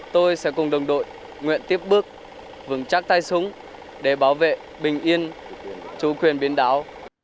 tôi sẽ cùng đồng đội nguyện tiếp bước vững chắc tay súng để bảo vệ bình yên chủ quyền biển đảo